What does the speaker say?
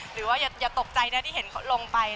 หรือว่าอย่าตกใจที่เห็นลงไป